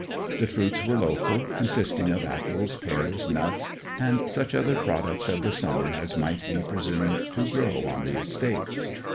The fruits were local, consisting of apples, pears, nuts, and such other products of the summer as might be presumed to grow on the estate.